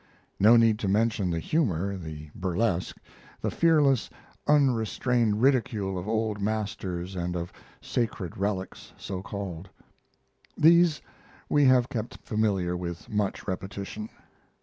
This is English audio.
No need to mention the humor, the burlesque, the fearless, unrestrained ridicule of old masters and of sacred relics, so called. These we have kept familiar with much repetition.